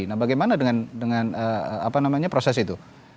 nah bagaimana dengan proses itu